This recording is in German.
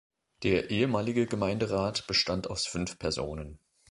Der ehemalige Gemeinderat bestand aus fünf Personen.